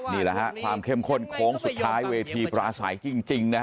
นี่แหละฮะความเข้มข้นโค้งสุดท้ายเวทีปราศัยจริงนะฮะ